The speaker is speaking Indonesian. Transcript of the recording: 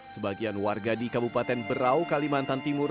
sebagian warga di kabupaten berau kalimantan timur